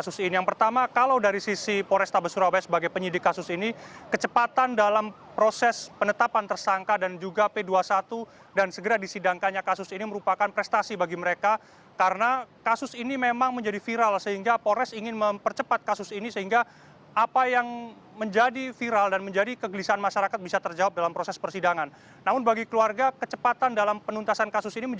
selain itu beberapa saksi yang sudah disiapkan